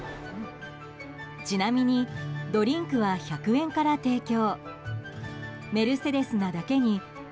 ちなみに、ドリンクは１００円から提供。